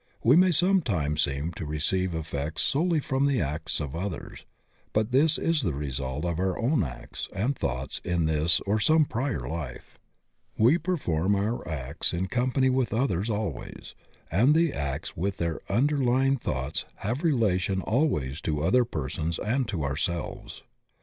We may sometimes seem to receive effects solely from the acts of others, but this is the result of our own acts and thoughts in this or some prior life. We perform our acts in company with others always, and the acts with their underl5dng thoughts have relation always to other persons and to ourselves.